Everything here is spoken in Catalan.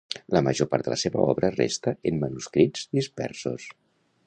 La major part de la seva obra resta en manuscrits dispersos.